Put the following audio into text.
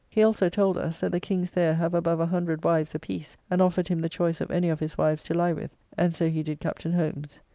He also told us, that the kings there have above 100 wives a piece, and offered him the choice of any of his wives to lie with, and so he did Captain Holmes.